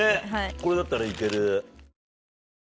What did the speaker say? これだったら行ける。